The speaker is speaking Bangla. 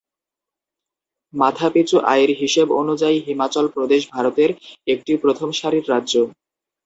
মাথাপিছু আয়ের হিসেব অনুযায়ী হিমাচল প্রদেশ ভারতের একটি প্রথম সারির রাজ্য।